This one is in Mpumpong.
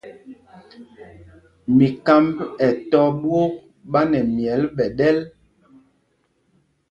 Mikámb ɛ tɔ̄ ɓwôk ɓá nɛ myɛl ɓɛ̌ ɗɛ́l.